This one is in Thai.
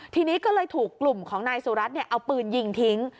ทีนี้ก็เลยถูกกลุ่มของนายสุรัตน์เอาปืนยิงทิ้ง